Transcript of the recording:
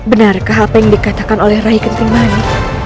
apakah yang dikatakan oleh rai kenting mani